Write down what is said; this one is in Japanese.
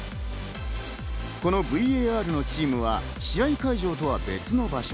このＶＡＲのチームは試合会場とは別の場所。